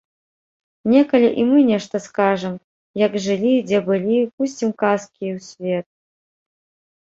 Некалі і мы нешта скажам, як жылі, дзе былі, пусцім казкі ў свет.